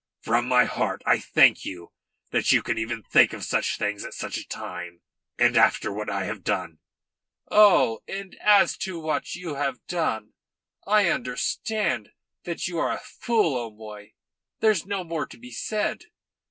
"From my heart I thank you that you can even think of such things at such a time and after what I have done." "Oh, as to what you have done I understand that you are a fool, O'Moy. There's no more to be said.